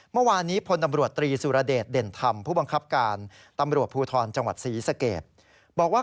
เมื่อวานี้ผู้บังคับการตำรวจภูทรจังหวัดศรีสเกตบอกว่า